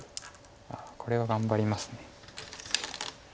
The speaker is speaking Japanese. ああこれは頑張りますね。